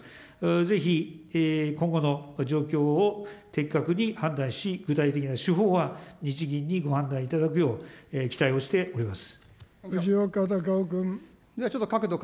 ぜひ今後の状況を的確に判断し、具体的な手法は日銀にご判断いただくよう、期待をしております。